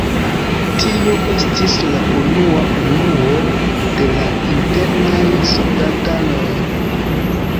Tio estis la unua unuo de la Internaj Soldataroj.